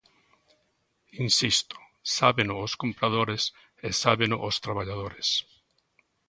Insisto: sábeno os compradores e sábeno os traballadores.